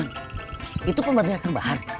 jon itu pemberdayaan kembar